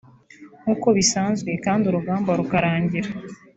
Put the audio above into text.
nkuko bisanzwe kandi urugamba rukarangira